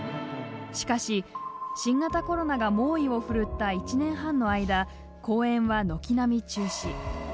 しかし新型コロナが猛威を奮った１年半の間公演は軒並み中止。